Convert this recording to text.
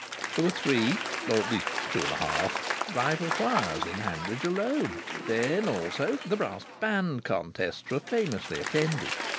There were three (or at least two and a half) rival choirs in Hanbridge alone. Then also the brass band contests were famously attended.